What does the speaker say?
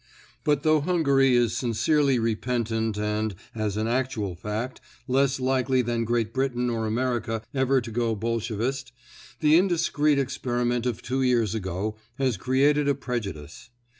But though Hungary is sincerely repentant and, as an actual fact, less likely than Great Britain or America ever to go Bolshevist, the indiscreet experiment of two years ago has created a prejudice.